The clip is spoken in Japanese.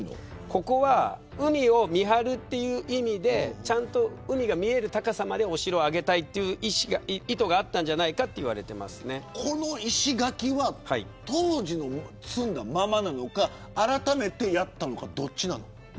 ここは海を見張るという意味で海が見える高さまでお城を上げたいという意図があったんじゃないかとこの石垣は当時の積んだままなのかあらためてやったのかどっちなんですか。